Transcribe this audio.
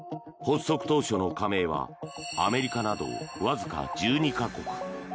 発足当初の加盟はアメリカなどわずか１２か国。